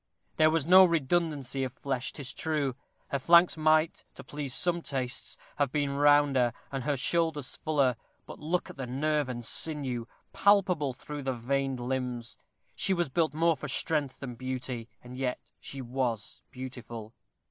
There was no redundancy of flesh, 'tis true; her flanks might, to please some tastes, have been rounder, and her shoulders fuller; but look at the nerve and sinew, palpable through the veined limbs! She was built more for strength than beauty, and yet she was beautiful.